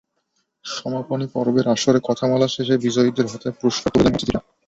সমাপনী পর্বের আসরে কথামালা শেষে বিজয়ীদের হাতে পুরস্কার তুলে দেন অতিথিরা।